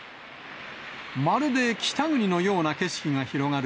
まるで北国のような景色が広がる